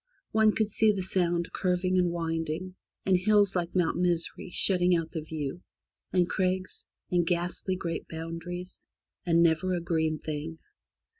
One could see the Sound curving and winding, and hills like Mount Misery shutting out the view, and crags, and ghastly great boulders, and never a green thing.